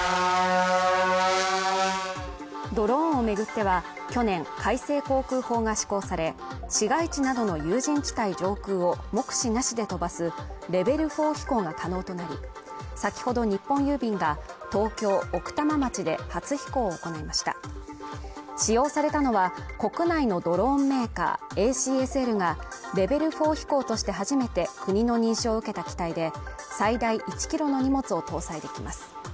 ドローンを巡っては去年改正航空法が施行され、市街地などの有人地帯上空を目視なしで飛ばすレベル４飛行が可能となり、先ほど日本郵便が東京奥多摩町で初飛行を行いました使用されたのは、国内のドローンメーカーＡＣＳＬがレベル４飛行として初めて国の認証を受けた機体で、最大１キロの荷物を搭載できます。